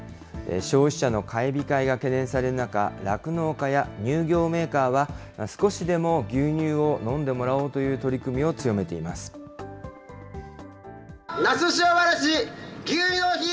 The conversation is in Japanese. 消費者の買い控えが懸念される中、酪農家や乳業メーカーは、少しでも牛乳を飲んでもらおうという取那須塩原市、牛乳の日！